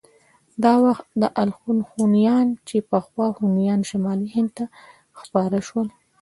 دا وخت الخون هونيان چې پخوا هونيان شمالي هند ته خپاره شول.